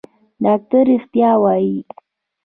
ډاکتر رښتيا وايي.